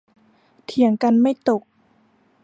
เถียงกันไม่ตก